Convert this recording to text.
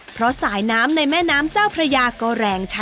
เพราะสายน้ำในแม่น้ำเจ้าพระยาก็แรงช้า